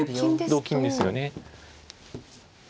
同金ですよね。